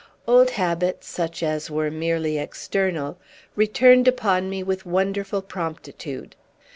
Old habits, such as were merely external, returned upon me with wonderful promptitude.